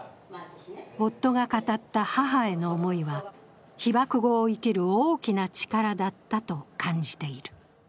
夫が語った母への思いは被爆後を生きる大きな力だったと感じている。